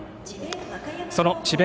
その智弁